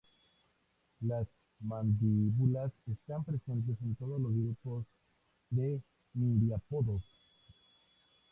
Las mandíbulas están presentes en todos los grupos de miriápodos.